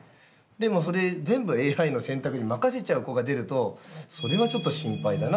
でもそれ全部ＡＩの選択に任せちゃう子が出るとそれはちょっと心配だなとは思うんですけど。